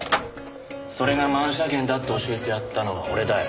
それが万車券だって教えてやったのは俺だよ。